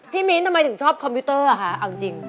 มิ้นทำไมถึงชอบคอมพิวเตอร์อ่ะคะเอาจริง